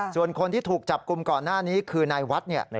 ส่วนคนที่ถูกจับกลุ่มก่อนหน้านี้คือนายวัด